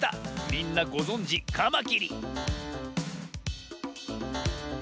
みんなごぞんじカマキリ！